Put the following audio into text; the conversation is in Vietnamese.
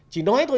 chỉ nói thôi